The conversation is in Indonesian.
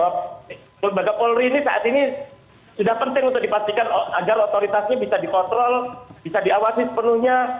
lembaga polri ini saat ini sudah penting untuk dipastikan agar otoritasnya bisa dikontrol bisa diawasi sepenuhnya